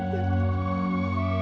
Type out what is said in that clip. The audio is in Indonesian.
kalau bukan karena pak sobari